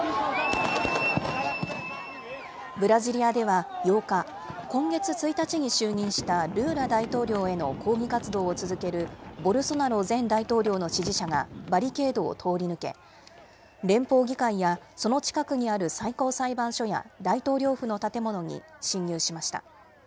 ブラジリアでは８日、今月１日に就任したルーラ大統領への抗議活動を続けるボルソナロ前大統領の支持者がバリケードを通り抜け、連邦議会や、その近くにある最高裁判所や大統領府の建物に侵入しました。